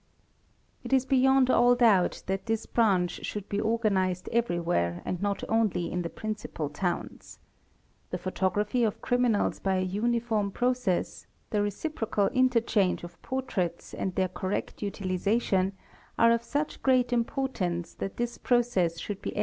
,|; a It is beyond all doubt that this branch should be organised everywhere : and not only in the principal towns. 'The photography of criminals by a uniform process, the reciprocal interchange of portraits and their correct e tilisation, are of such great importance that this process should be G3 Rea 30 eR Lie a APT a ETF, KIM APSE ASE ME A, RAY!